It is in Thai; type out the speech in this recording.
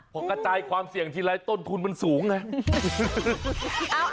พอกระจายความเสี่ยงทีไรต้นทุนมันสูงไง